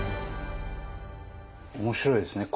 面白いですね。